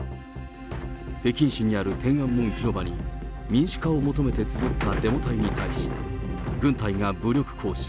北京市にある天安門広場に民主化を求めて集ったデモ隊に対し、軍隊が武力行使。